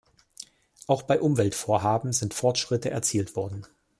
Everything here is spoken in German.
Auch bei Umweltvorhaben sind Fortschritte erzielt worden.